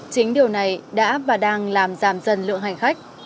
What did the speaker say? chính điều này đã và đang làm giảm dần lượng hành khách